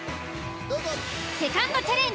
セカンドチャレンジ